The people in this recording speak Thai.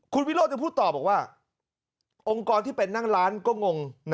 คุณวิโรธยังพูดต่อบอกว่าองค์กรที่เป็นนั่งร้านก็งง